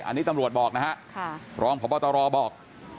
อันนี้ตำรวจบอกนะฮะรองพบตรบอก